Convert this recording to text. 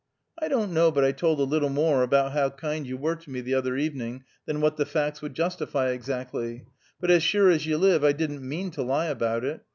I don't know but I told a little more about how kind you were to me the other evening than what the facts would justify exactly, but as sure as you live I didn't mean to lie about it.